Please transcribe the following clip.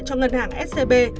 cho ngân hàng scb